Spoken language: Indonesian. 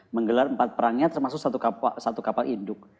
menggelar empat perangnya termasuk satu kapal induk